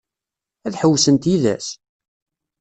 Ad ḥewwsent yid-s?